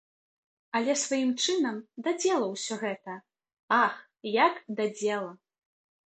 Але сваім чынам да дзела ўсё гэта, ах, як да дзела!